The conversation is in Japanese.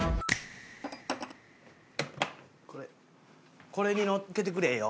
これこれにのっけてくれよ。